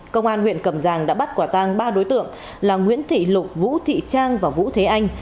công an huyện cầm giang đã bắt quả tang ba đối tượng là nguyễn thị lục vũ thị trang và vũ thế anh